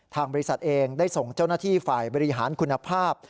ทางบริษัทเองได้ส่งเจ้าหน้าที่ฝ่ายบริหารคุณภาพ